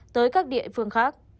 tới các địa phương khác